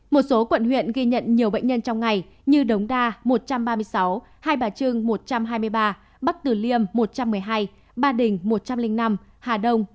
một số quận huyện ghi nhận nhiều bệnh nhân trong ngày như đống đa một trăm ba mươi sáu hai bà trương một trăm hai mươi ba bắc tử liêm một trăm một mươi hai ba đình một trăm linh năm hà đông một trăm linh hai